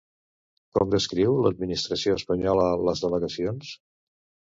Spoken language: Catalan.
Com descriu l'administració espanyola les delegacions?